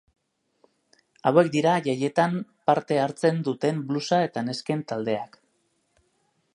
Hauek dira jaietan parte hartzen duten blusa eta nesken taldeak.